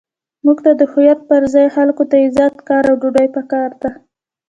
موږ ته د هویت پر ځای خلکو ته عزت، کار، او ډوډۍ پکار ده.